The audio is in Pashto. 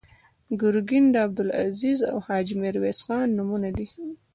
ګرګین د عبدالعزیز او حاجي میرویس خان نومونه دي.